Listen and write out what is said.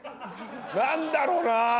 何だろな？